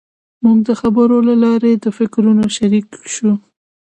موږ د خبرو له لارې د فکرونو شریک شوو.